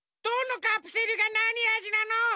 どのカプセルがなにあじなの？